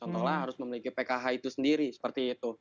contohnya harus memiliki pkh itu sendiri seperti itu